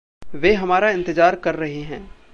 वे हमारा इंतज़ार कर रहे हैं।